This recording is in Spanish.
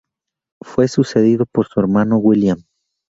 Fue sucedido por su hermano William.